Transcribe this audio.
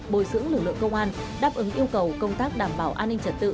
bồi dưỡng lực lượng công an đáp ứng yêu cầu công tác đảm bảo an ninh trật tự